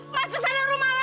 masuk sana rumah lu